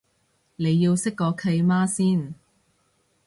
你要識個契媽先